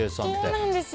そうなんです。